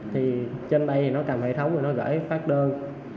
thì trên đây nó cầm hệ thống rồi nó gửi phát đơn